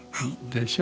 でしょ？